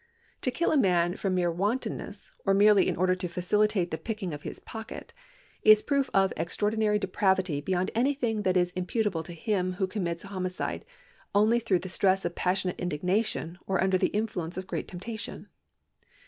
To kill a man from mere wantonness, or merely in order to facilitate the picking of his pocket, is a proof of extraordinary depravity beyond anything that is imputable to him who commits homicide only through the stress of passionate indignation or under the influence of great temptation.